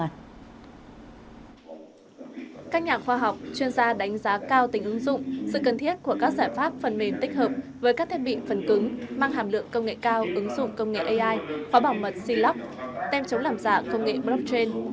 các nhà khoa học chuyên gia đánh giá cao tính ứng dụng sự cần thiết của các giải pháp phần mềm tích hợp với các thiết bị phần cứng mang hàm lượng công nghệ cao ứng dụng công nghệ ai phó bảo mật silop tem chống làm giả công nghệ blockchain